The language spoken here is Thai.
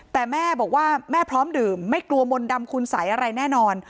แต่แม่บอกว่าแม่พร้อมดื่มไม่กลัวมนต์ดำคุณสัยอะไรแน่นอน